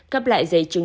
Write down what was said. cấp lại giấy chứng